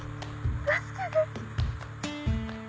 助けて